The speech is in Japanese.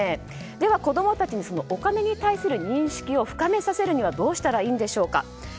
では、子供たちにお金に対する認識を深めさせるにはどうしたらいいんでしょうか。